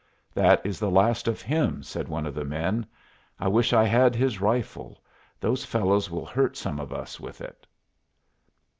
"That is the last of him," said one of the men; "I wish I had his rifle; those fellows will hurt some of us with it."